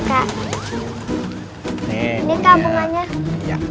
nih kak bunganya